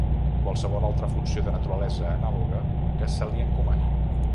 Qualsevol altra funció de naturalesa anàloga que se li encomani.